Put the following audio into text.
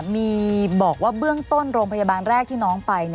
มีบอกว่าเบื้องต้นโรงพยาบาลแรกที่น้องไป